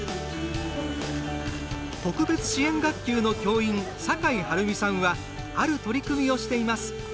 特別支援学級の教員酒井晴美さんはある取り組みをしています。